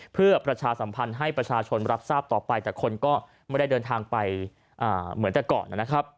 เพื่อประชาสัมพันธ์ให้ประชาชนรับทราบต่อไปแต่คนก็ไม่ได้เดินทางไปเหมือนแต่ก่อนนะครับ